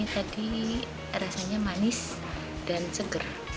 jadi rasanya manis dan seger